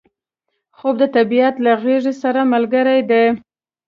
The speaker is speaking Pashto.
خوب د طبیعت له غیږې سره ملګری دی